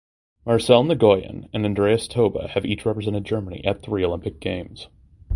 Marcel Nguyen and Andreas Toba have each represented Germany at three Olympic Games.